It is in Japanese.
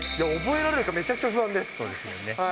覚えられるかめちゃくちゃ不安でそうですよね。